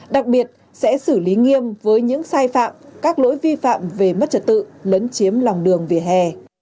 đặc biệt sẽ xử lý nghiêm với những sai phạm các lỗi vi phạm về mất trật tự lấn chiếm lòng đường vỉa hè